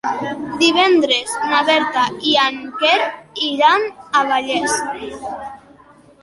Divendres na Berta i en Quer iran a Vallés.